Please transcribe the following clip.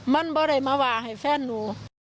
มันไม่ได้มาว่าให้แฟนหนู